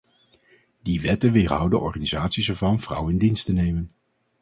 Die wetten weerhouden organisaties ervan vrouwen in dienst te nemen.